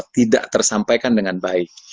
tidak tersampaikan dengan baik